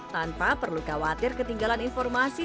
tanpa perlu khawatir ketinggalan informasi